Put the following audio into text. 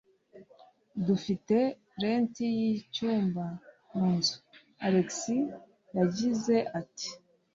Dufite plenty y'icyumba mu nzu, "Alex yagize ati: